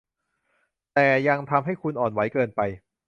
แต่ยังทำให้คุณอ่อนไหวเกินไป